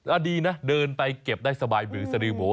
ดีนะเดินไปเก็บได้สบายบือสดือโบ